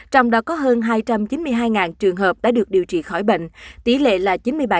trong đó có hơn hai trăm chín mươi hai trường hợp đã được điều trị khỏi bệnh tỷ lệ là chín mươi bảy tám mươi một